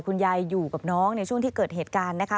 อยู่กับน้องในช่วงที่เกิดเหตุการณ์นะคะ